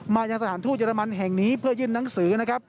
มาจากสถานทู่เจรมันแห่งนี้เพื่อยื่นนังสือ